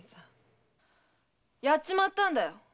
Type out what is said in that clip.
殺っちまったんだよ！